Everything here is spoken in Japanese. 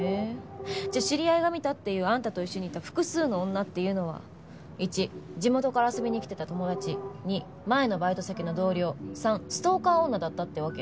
じゃあ知り合いが見たっていうあんたと一緒にいた複数の女っていうのは１地元から遊びに来てた友達２前のバイト先の同僚３ストーカー女だったってわけ？